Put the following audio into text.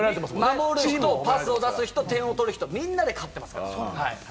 守る人、パスを出す人、点を取る人、みんなで勝ってますから。